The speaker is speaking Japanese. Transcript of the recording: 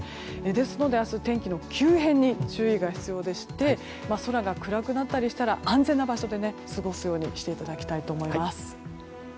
ですので明日天気の急変に注意が必要でしてそれが暗くなったりしたら安全な場所で過ごすようにしていただきたいと思います。